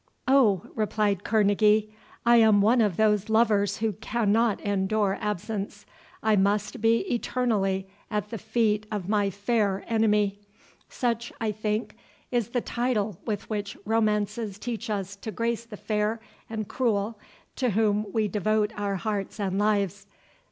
"O," replied Kerneguy, "I am one of those lovers who cannot endure absence—I must be eternally at the feet of my fair enemy—such, I think, is the title with which romances teach us to grace the fair and cruel to whom we devote our hearts and lives.